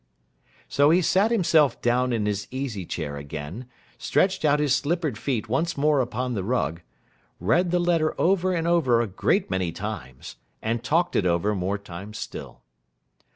So he sat himself down in his easy chair again, stretched out his slippered feet once more upon the rug, read the letter over and over a great many times, and talked it over more times still.